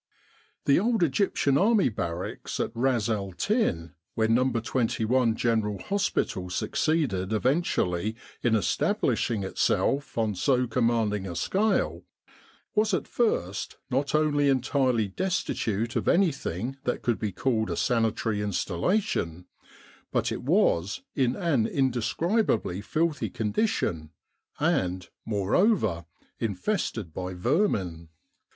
The old Egyptian Army Barracks at Ras el Tin, where No. 21 General Hospital succeeded eventually in establishing itself on so commanding a scale, was at , first not only entirely destitute of anything that could be called a sanitary installation, but it was in an indescribably filthy condition and, moreover, infested by vermin.